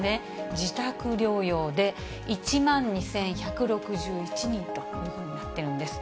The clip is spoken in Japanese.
自宅療養で１万２１６１人というふうになっているんです。